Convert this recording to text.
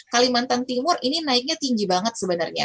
kalimantan timur ini naiknya tinggi banget sebenarnya